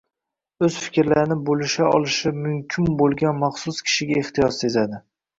o‘z fikrlarini bo‘lisha olishi mumkin bo‘lgan maxsus kishiga ehtiyoj sezadi